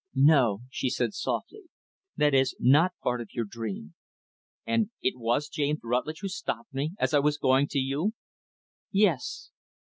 "No," she said softly, "that is not part of your dream." "And it was James Rutlidge who stopped me, as I was going to you?" "Yes."